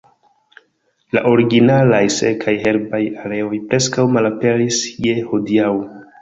La originalaj sekaj, herbaj areoj preskaŭ malaperis je hodiaŭ.